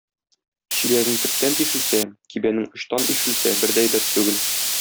Чиләгең төптән тишелсә, кибәнең очтан ишелсә бер дә әйбәт түгел.